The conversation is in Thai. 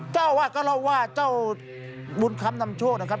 เจ้าอาวาสก็เล่าว่าเจ้าบุญคำนำโชคนะครับ